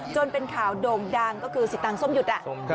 จนเป็นข่าวโด่งดังก็คือสิตังส้มหยุด